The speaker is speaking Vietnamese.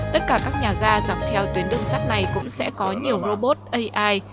tất cả các nhà gai dọc theo tuyến đường sát này cũng sẽ có nhiều robot ai